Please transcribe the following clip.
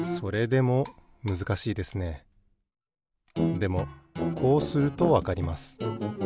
でもこうするとわかります。